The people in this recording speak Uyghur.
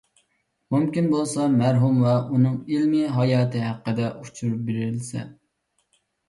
مۇمكىن بولسا مەرھۇم ۋە ئۇنىڭ ئىلمىي ھاياتى ھەققىدە ئۇچۇر بېرىلسە.